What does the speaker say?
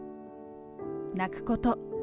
泣くこと。